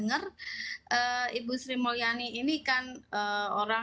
nah aku mau tanya battery speaker